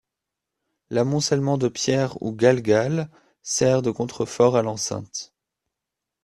L'amoncellement de pierres ou galgal sert de contrefort à l'enceinte.